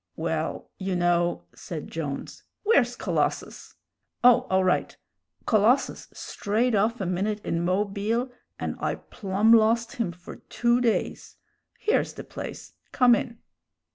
"Well, you know," said Jones "where's Colossus? Oh! all right. Colossus strayed off a minute in Mobile, and I plum lost him for two days. Here's the place; come in.